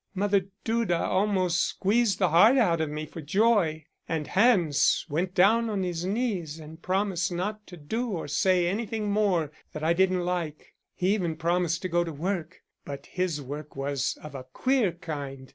Mother Duda almost squeezed the heart out of me for joy, and Hans went down on his knees and promised not to do or say anything more that I didn't like. He even promised to go to work, but his work was of a queer kind.